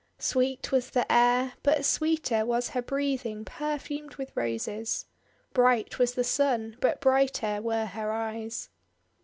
Sweet was the air, but sweeter was her breathing per fumed with Roses. Bright was the Sun, but brighter were her eyes.